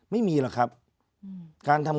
ไม่มีหรอกครับ